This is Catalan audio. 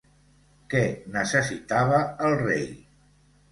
Què necessitava el rei?